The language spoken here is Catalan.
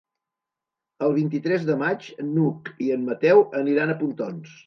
El vint-i-tres de maig n'Hug i en Mateu aniran a Pontons.